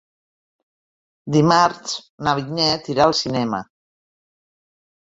Dimarts na Vinyet irà al cinema.